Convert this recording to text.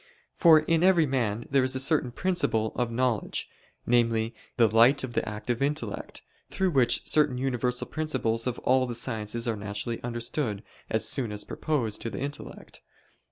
For in every man there is a certain principle of knowledge, namely the light of the active intellect, through which certain universal principles of all the sciences are naturally understood as soon as proposed to the intellect.